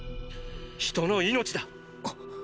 人の命だ。っ！